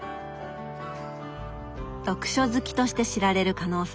読書好きとして知られる加納さん。